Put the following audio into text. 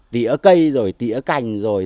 tỉa cây rồi tỉa cành rồi